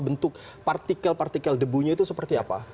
bentuk partikel partikel debunya itu seperti apa